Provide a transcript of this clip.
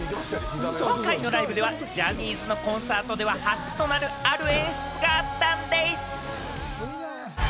今回のライブでは、ジャニーズのコンサートでは初となるある演出があったんでぃす！